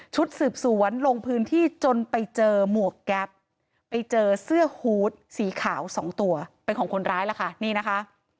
ชุดสืบสวนลงพื้นที่จนไปเจอหมวกแก๊ปไปเจอเสื้อฮูตสีขาวสองตัวเป็นของคนร้ายล่ะค่ะนี่นะคะ